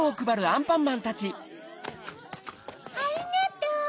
ありがとう。